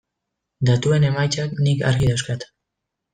Datuen emaitzak nik argi dauzkat.